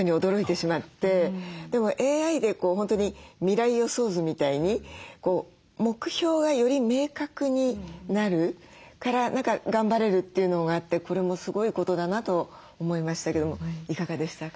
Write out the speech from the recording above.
でもＡＩで本当に未来予想図みたいに目標がより明確になるから何か頑張れるというのがあってこれもすごいことだなと思いましたけどもいかがでしたか？